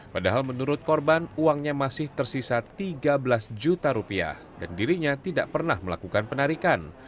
padahal menurut korban uangnya masih tersisa tiga belas juta rupiah dan dirinya tidak pernah melakukan penarikan